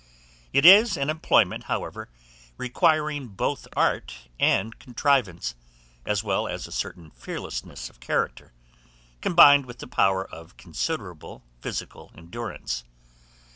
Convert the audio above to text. It is an employment, however, requiring both art and contrivance, as well as a certain fearlessness of character, combined with the power of considerable physical endurance.